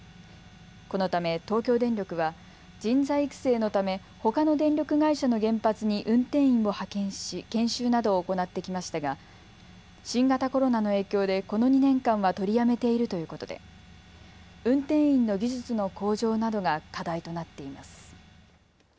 このため東京電力は人材育成のためほかの電力会社の原発に運転員を派遣し研修などを行ってきましたが新型コロナの影響でこの２年間は取りやめているということで運転員の技術の向上などが課題となっています。